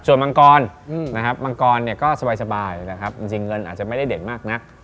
ส่วนบางกรบางกรก็สบายจริงเงินอาจจะไม่ได้เด็ดมากนัก